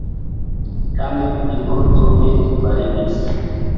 Tamen divorco ne fariĝis.